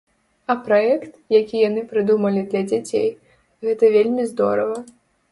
А праект, які яны прыдумалі для дзяцей, гэта вельмі здорава.